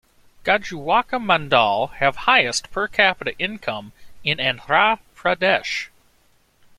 Gajuwaka Mandal have Highest per capita income in Andhra Pradesh.